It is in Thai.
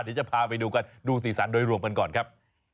เดี๋ยวจะพาไปดูกันดูสีสันโดยรวมกันก่อนครับ